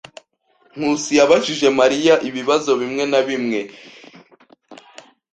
Nkusi yabajije Mariya ibibazo bimwe na bimwe.